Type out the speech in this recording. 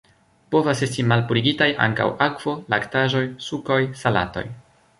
Povas esti malpurigitaj ankaŭ akvo, laktaĵoj, sukoj, salatoj.